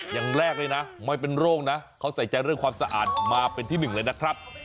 อย่างแรกเลยนะไม่เป็นโรคนะเขาใส่ใจเรื่องความสะอาดมาเป็นที่หนึ่งเลยนะครับ